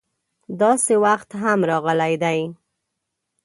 داسې وخت هم راغلی دی.